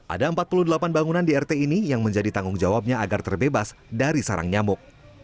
ada empat puluh delapan bangunan di rt ini yang menjadi tanggung jawabnya agar terbebas dari sarang nyamuk